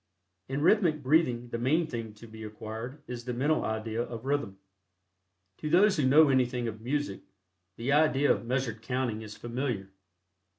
In rhythmic breathing the main thing to be acquired is the mental idea of rhythm. To those who know anything of music, the idea of measured counting is familiar.